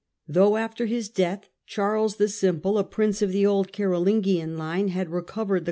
Though after his death Charles the Simple, a Charles prince of the old Carolingian line, had recovered the 893.